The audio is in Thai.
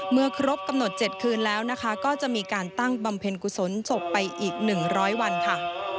ครบกำหนด๗คืนแล้วนะคะก็จะมีการตั้งบำเพ็ญกุศลศพไปอีก๑๐๐วันค่ะ